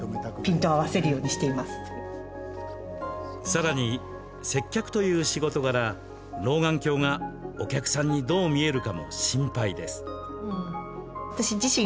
さらに、接客という仕事柄老眼鏡がお客さんにどう見えるかも心配です。